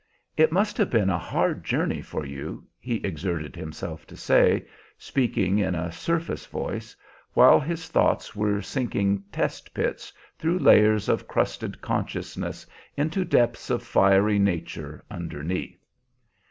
"It must have been a hard journey for you," he exerted himself to say, speaking in a surface voice, while his thoughts were sinking test pits through layers of crusted consciousness into depths of fiery nature underneath.